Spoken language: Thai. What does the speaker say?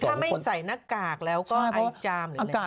ถ้าไม่ใส่หน้ากากแล้วก็ไอจำ